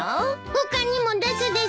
他にも出すです。